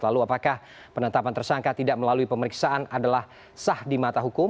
lalu apakah penetapan tersangka tidak melalui pemeriksaan adalah sah di mata hukum